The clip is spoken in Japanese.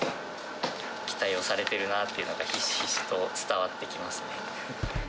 期待をされてるなというのがひしひしと伝わってきますね。